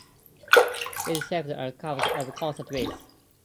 These shapes are curves of constant width.